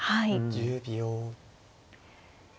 １０秒。